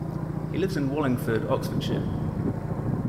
He lives in Wallingford, Oxfordshire.